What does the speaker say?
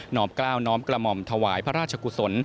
อมกล้าวน้อมกระหม่อมถวายพระราชกุศล